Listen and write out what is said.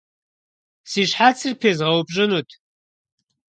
Си щхьэцыр пезгъэупщӏынут.